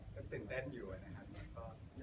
ก็รู้สึกแบบตื่นเต้นอยู่นะครับ